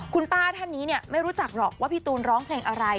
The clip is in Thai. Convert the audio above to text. คุณป้าท่านนี้ไม่รู้จักหรอกว่าพี่ตูนร้องเพลงอะไร